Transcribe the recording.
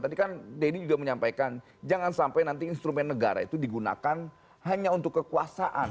tadi kan denny juga menyampaikan jangan sampai nanti instrumen negara itu digunakan hanya untuk kekuasaan